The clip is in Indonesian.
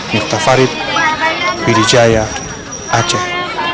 miektah farid bidi jaya aceh